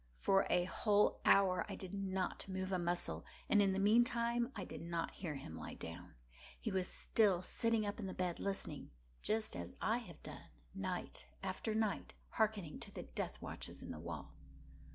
For a whole hour I did not move a muscle, and in the meantime I did not hear him lie down. He was still sitting up in the bed listening;—just as I have done, night after night, hearkening to the death watches in the wall.